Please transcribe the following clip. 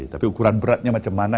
tapi ukuran beratnya macam mana